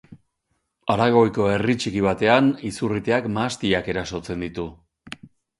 Aragoiko herri txiki batean izurriteak mahastiak erasotzen ditu.